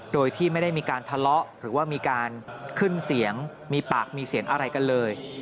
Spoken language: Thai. โดยที่ไม่ได้มีการทะเลาะหรือว่ามีการขึ้นเสียงมีปากมีเสียงอะไรกันเลย